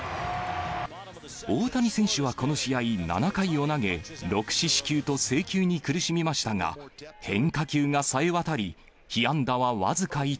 大谷選手はこの試合７回を投げ、６四死球と制球に苦しみましたが、変化球がさえわたり、被安打は僅か１。